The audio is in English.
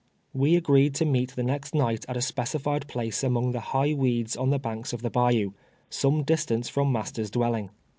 We agreed to meet the next night at a specified place among the high Aveeds on the bank of the bayou, some distance from master's dwelling.